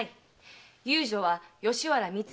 遊女は吉原三ツ